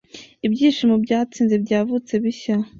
Ibyishimo byatsinze, byavutse bishya,